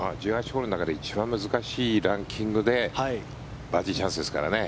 １８ホールの中で一番難しいランキングでバーディーチャンスですからね。